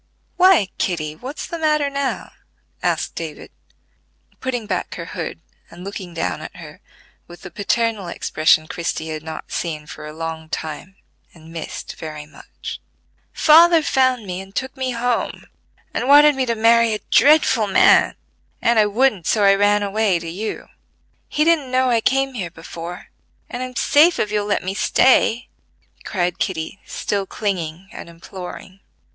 "Why, Kitty, what's the matter now?" asked David, putting back her hood, and looking down at her with the paternal expression Christie had not seen for a long time, and missed very much. "Father found me, and took me home, and wanted me to marry a dreadful man, and I wouldn't, so I ran away to you. He didn't know I came here before, and I'm safe if you'll let me stay," cried Kitty, still clinging and imploring.